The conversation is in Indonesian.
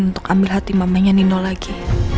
untuk ambil hati mamanya nino lagi